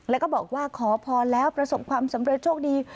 แล้วก็บอกว่าขอพรแล้วประสบความสำเร็จโชคดี